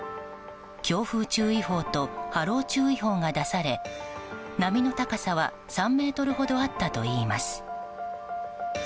強風注意報と波浪注意報が出され波の高さは３ｍほどあったといいます。